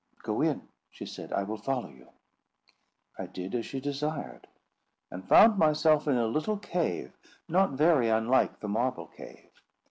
"Go in," she said; "I will follow you." I did as she desired, and found myself in a little cave, not very unlike the marble cave.